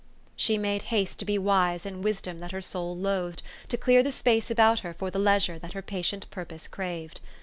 She made haste to be wise in wisdom that her soul loathed, to clear the space about her for the leisure that her patient purpose craved.